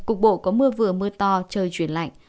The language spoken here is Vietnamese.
cục bộ có mưa vừa mưa to trời chuyển lạnh